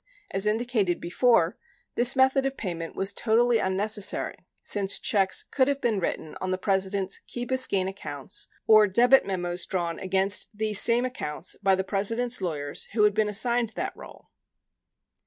As indicated before, this method of payment was totally unnecessary since checks could have been written on the President's Key Biscayne accounts or debit memos drawn against these same accounts by the President's lawyers who had been assigned that role.